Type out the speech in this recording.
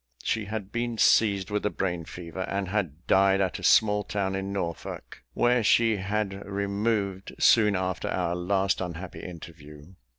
She had been seized with a brain fever, and had died at a small town in Norfolk, where she had removed soon after our last unhappy interview.